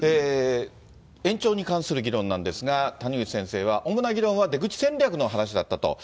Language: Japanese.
延長に関する議論なんですが、谷口先生は、主な議論は出口戦略の話だったと。